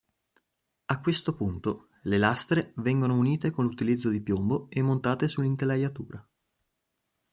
A questo punto, le lastre vengono unite con l'utilizzo di piombo e montate sull'intelaiatura.